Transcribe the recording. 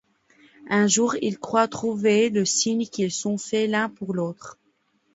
Un jour, il croit trouver le signe qu'ils sont faits l'un pour l'autre.